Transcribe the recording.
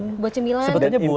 sebetulnya buat sarapan